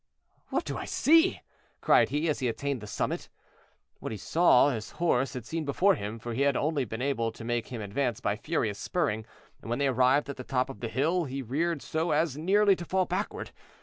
"What do I see?" cried he, as he attained the summit. What he saw his horse had seen before him; for he had only been able to make him advance by furious spurring, and when they arrived at the top of the hill he reared so as nearly to fall backward.